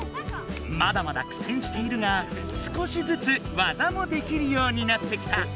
まだまだ苦戦しているが少しずつ技もできるようになってきた。